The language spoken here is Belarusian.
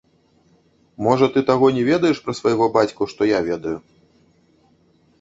Можа, ты таго не ведаеш пра свайго бацьку, што я ведаю.